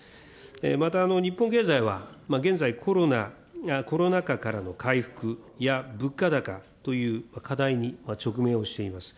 また日本経済は現在、コロナ禍からの回復や物価高という課題に直面をしています。